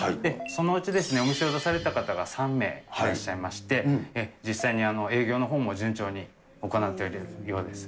そのうちお店を出された方が３名いらっしゃいまして、実際に営業のほうも順調に行っているようです。